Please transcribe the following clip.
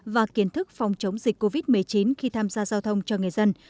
và kiến thức phòng chống dịch covid một mươi chín khi tham gia giao thông cho người dân